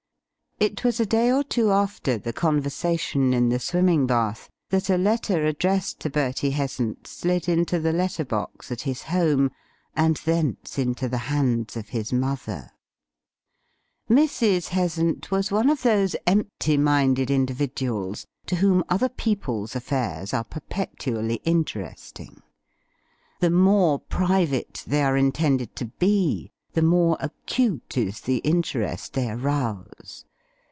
It was a day or two after the conversation in the swimming bath that a letter addressed to Bertie Heasant slid into the letter box at his home, and thence into the hands of his mother. Mrs. Heasant was one of those empty minded individuals to whom other people's affairs are perpetually interesting. The more private they are intended to be the more acute is the interest they arouse.